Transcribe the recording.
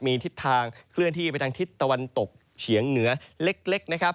มีทิศทางเคลื่อนที่ไปทางทิศตะวันตกเฉียงเหนือเล็กนะครับ